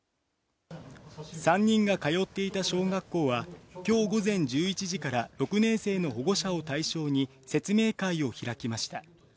３人が通っていた小学校は、きょう午前１１時から、６年生の保護者を対象に説明会を開きました。